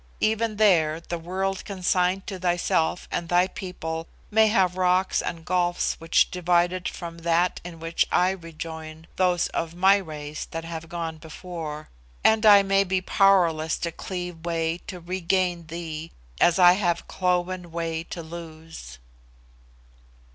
Even there, the world consigned to thyself and thy people may have rocks and gulfs which divide it from that in which I rejoin those of my race that have gone before, and I may be powerless to cleave way to regain thee as I have cloven way to lose."